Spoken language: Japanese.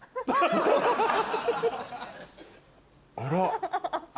あら？